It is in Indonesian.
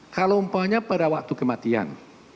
kalau umpamanya pada waktu kematian